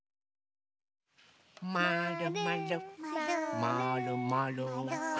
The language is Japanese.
まるまるまるまる。